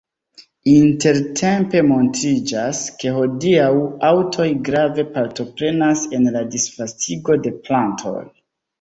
Intertempe montriĝas, ke hodiaŭ aŭtoj grave partoprenas en la disvastigo de plantoj.